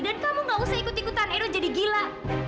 dan kamu nggak usah ikut ikutan edo jadi gila